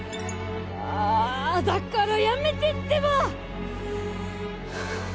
あぁだからやめてってば！